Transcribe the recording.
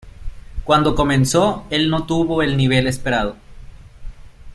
Cuando comenzó el no tuvo el nivel esperado.